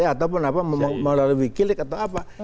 atau melalui kilik atau apa